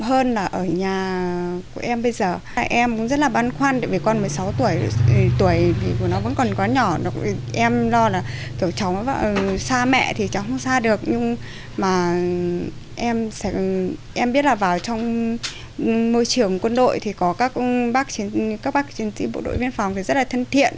em biết là vào trong môi trường quân đội thì có các bác chiến sĩ bộ đội biên phòng rất là thân thiện